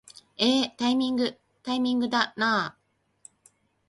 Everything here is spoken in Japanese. えータイミングー、タイミングだなー